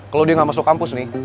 kalau dia gak masuk kampus